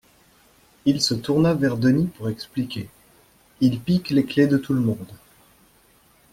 Il se tourna vers Denis pour expliquer: il pique les clés de tout le monde